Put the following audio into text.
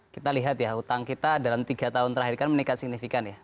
kita lihat ya utang kita dalam tiga tahun terakhir kan meningkat signifikan ya